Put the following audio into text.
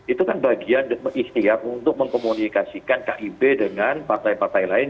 itu kan bagian ikhtiar untuk mengkomunikasikan kib dengan partai partai lain